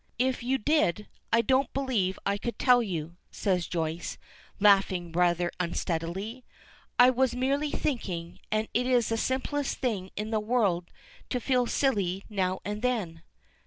"If you did I don't believe I could tell you," says Joyce, laughing rather unsteadily. "I was merely thinking, and it is the simplest thing in the world to feel silly now and then."